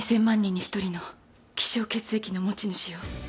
２，０００万人に１人の希少血液の持ち主よ。